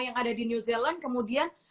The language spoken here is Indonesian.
yang ada di new zealand kemudian